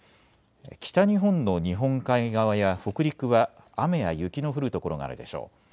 北日本の日本海側や北陸は雨や雪の降る所があるでしょう。